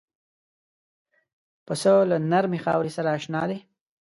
پسه له نرمې خاورې سره اشنا دی.